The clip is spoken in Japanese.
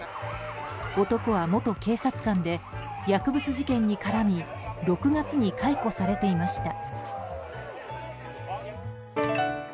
男は元警察官で薬物事件に絡み６月に解雇されていました。